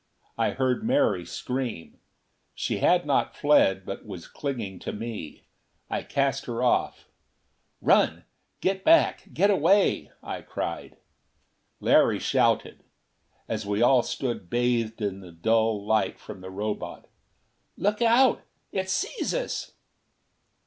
I heard Mary scream. She had not fled but was clinging to me. I cast her off. "Run! Get back! Get away!" I cried. Larry shouted, as we all stood bathed in the dull light from the Robot: "Look out! It sees us!"